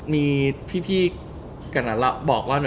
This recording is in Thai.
มีพี่กันอะเราบอกว่า